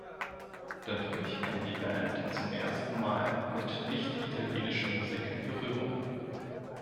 Dadurch kam die Band zum ersten Mal mit nicht-italienischer Musik in Berührung.